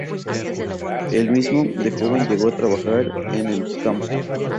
Él mismo, de joven, llegó a trabajar en el campo.